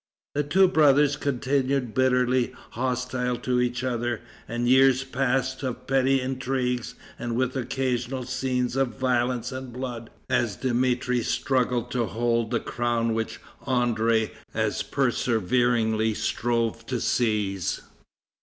The two brothers continued bitterly hostile to each other, and years passed of petty intrigues and with occasional scenes of violence and blood as Dmitri struggled to hold the crown which André as perseveringly strove to seize.